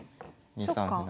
２三歩成。